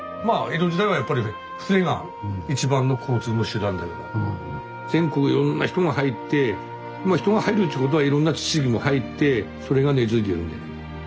江戸時代はやっぱり船が一番の交通の手段だから全国いろんな人が入ってまあ人が入るっちゅうことはいろんな知識も入ってそれが根づいてるんだよね。